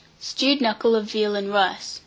STEWED KNUCKLE OF VEAL AND RICE. 885.